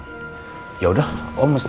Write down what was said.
untuk mohonnya pengganti